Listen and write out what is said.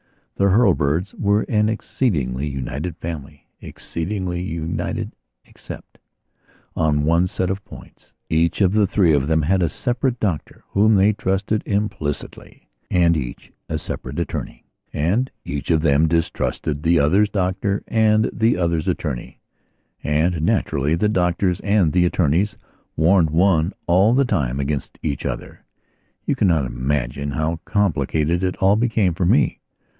The Hurlbirds were an exceedingly united familyexceedingly united except on one set of points. Each of the three of them had a separate doctor, whom they trusted implicitlyand each had a separate attorney. And each of them distrusted the other's doctor and the other's attorney. And, naturally, the doctors and the attorneys warned one all the timeagainst each other. You cannot imagine how complicated it all became for me.